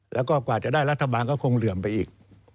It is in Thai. แล้วก็กว่าจะได้รัฐบาลก็คงเหลื่อมไปอีก